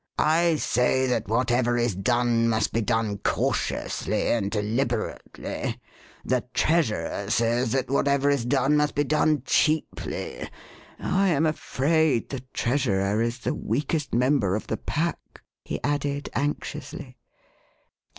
I say that whatever is done must be done cautiously and deliberately ; the Treasurer says that whatever is done must be done cheaply — I am afraid the Treasurer is the weakest member of the pack," he added anxiously.